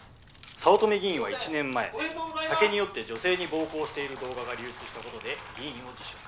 早乙女議員は１年前酒に酔って女性に暴行している動画が流出したことで議員を辞職。